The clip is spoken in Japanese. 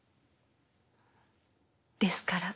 ですから。